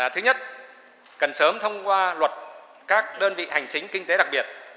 thứ nhất cần sớm thông qua luật các đơn vị hành chính kinh tế đặc biệt